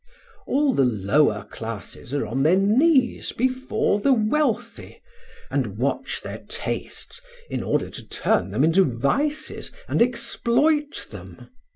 All the lower classes are on their knees before the wealthy, and watch their tastes in order to turn them into vices and exploit them.